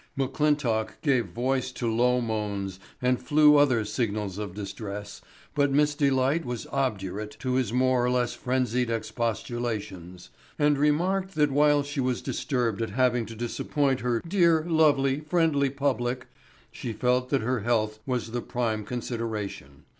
McClintock gave voice to low moans and flew other signals of distress, but Miss Delight was obdurate to his more or less frenzied expostulations and remarked that while she was disturbed at having to disappoint her "dear, lovely, friendly public," she felt that her health was the prime consideration.